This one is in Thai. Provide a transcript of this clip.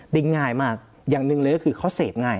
ได้ง่ายมากอย่างหนึ่งเลยก็คือเขาเสพง่าย